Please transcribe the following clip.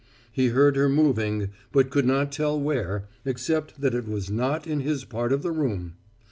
He heard her moving but could not tell where, except that it was not in his part of the room.